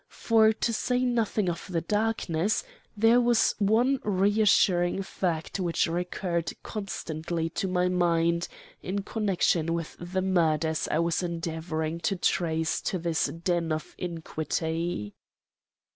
For, to say nothing of the darkness, there was one reassuring fact which recurred constantly to my mind in connection with the murders I was endeavoring to trace to this den of iniquity.